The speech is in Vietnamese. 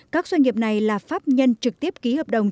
các doanh nghiệp này là pháp nhân trực tiếp ký hợp đồng